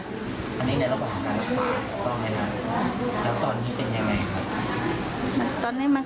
อันนี้ในระหว่างการรักษาตอนไหนครับ